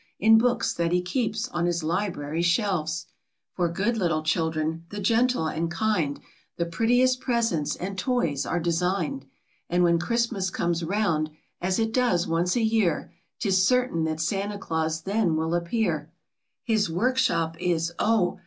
In books that he keeps on his library shelves. For good little children, the gentle and kind, The prettiest presents and toys are designed, And when Christmas comes round, as it does once a year, Tis certain that Santa Claus then will appear His work shop, is oh!